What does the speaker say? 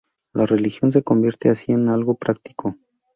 La religión se convierte así en algo práctico.